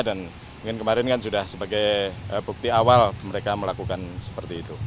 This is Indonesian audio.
dan mungkin kemarin kan sudah sebagai bukti awal mereka melakukan seperti itu